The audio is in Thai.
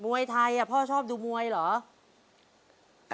มวยกับพ่อใบไทยพ่อชอบดูมวยหรือ